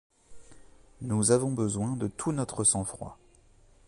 Nous avons besoin de tout notre sang-froid